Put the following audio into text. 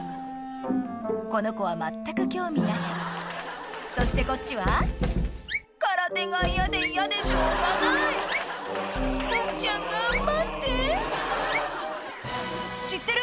この子は全く興味なしそしてこっちは空手が嫌で嫌でしょうがないボクちゃん頑張って「知ってる？